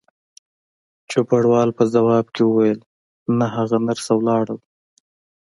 چوپړوال په ځواب کې وویل: نه، هغه نرسه ولاړل.